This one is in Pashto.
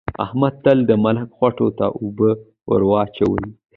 احمد تل د ملک خوټو ته اوبه وراچوي.